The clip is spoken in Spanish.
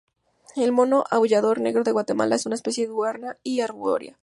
El mono aullador negro de Guatemala es una especie diurna y arbórea.